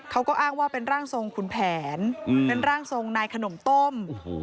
เขาก็อ้างว่าเป็นร่างทรงคุณแผนเป็นร่างทรงนายขนมต้ม